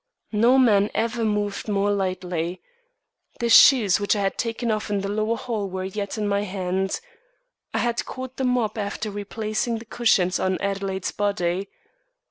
No man ever moved more lightly. The shoes which I had taken off in the lower hall were yet in my hand. I had caught them up after replacing the cushions on Adelaide's body.